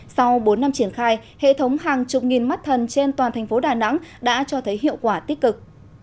sau bốn năm triển khai hệ thống hàng chục nghìn mắt thần trên toàn thành phố đà nẵng đã cho thấy hiệu quả tích cực